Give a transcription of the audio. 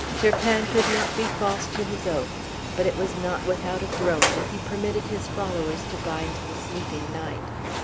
Turpin could not be false to his oath; but it was not without a groan that he permitted his followers to bind the sleeping knight.